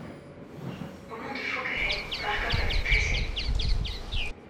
Au nom de Fougueray, Marcof avait tressailli.